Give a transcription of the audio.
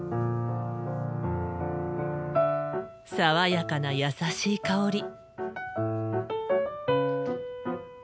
爽やかな優しい香り。